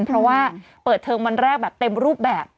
เพราะว่าเปิดเทอมวันแรกแบบเต็มรูปแบบ